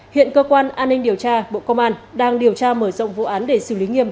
hiện cơ quan an ninh điều tra bộ công an đang điều tra mở rộng vụ án để xử lý nghiêm